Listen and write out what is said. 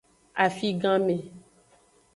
Afiganme.